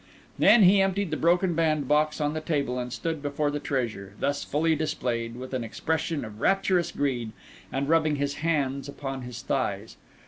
Then he emptied the broken bandbox on the table, and stood before the treasure, thus fully displayed, with an expression of rapturous greed, and rubbing his hands upon his thighs.